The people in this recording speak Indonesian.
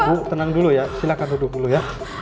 bu tenang dulu ya silahkan duduk dulu ya